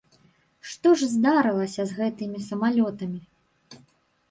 Што ж здаралася з гэтымі самалётамі?